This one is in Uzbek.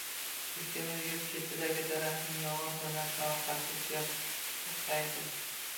Bektemir yo`l chetidagi daraxtning yo`g`on tanasiga orqasini suyab cho`qqaydi